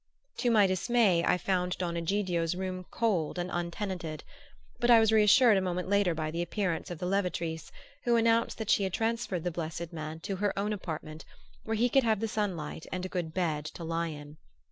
To my dismay I found Don Egidio's room cold and untenanted; but I was reassured a moment later by the appearance of the levatrice, who announced that she had transferred the blessed man to her own apartment, where he could have the sunlight and a good bed to lie in.